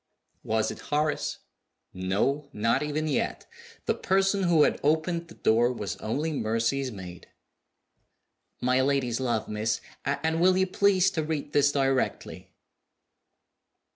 Was it Horace? No not even yet. The person who had opened the door was only Mercy's maid. "My lady's love, miss; and will you please to read this directly?"